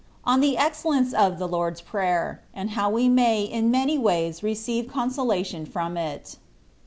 ON THB EXCELLENCE OP THE " L0RD*8 PRATER," AND HOW WE MAT IN MANT WATS RBCEiyB CONSOLATION PROM IT.